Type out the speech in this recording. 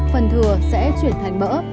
phần thừa sẽ chuyển thành bỡ